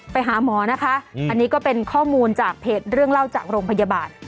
ไปหาหมอนะคะอันนี้ก็เป็นข้อมูลจากเพจเรื่องเล่าจากโรงพยาบาล